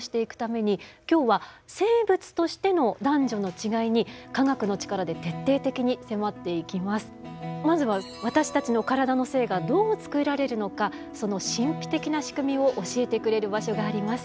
こういった社会的な性まずは私たちの体の性がどう作られるのかその神秘的な仕組みを教えてくれる場所があります。